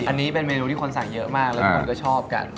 อันนี้เป็นเมนูที่คนสั่งเยอะมากแล้วทุกคนก็ชอบกัน